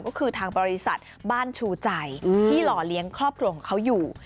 ก็คือทางบริษัทบ้านชูใจที่หล่อเลี้ยงครอบครัวของเขาอยู่